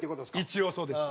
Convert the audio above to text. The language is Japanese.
一応そうです。